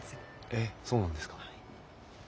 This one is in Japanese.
えっそうなんですか。